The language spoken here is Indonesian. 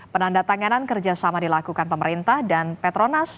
penanda tanganan kerjasama dilakukan pemerintah dan petronas